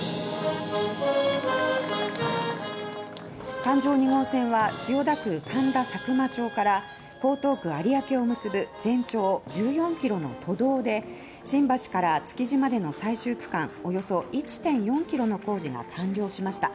環状２号線は千代田区神田佐久間町から江東区有明を結ぶ全長１４ｋｍの都道で新橋から築地までの最終区間およそ１．４ｋｍの工事が完了しました。